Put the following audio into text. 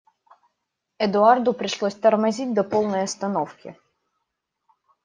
Эдуарду пришлось тормозить до полной остановки.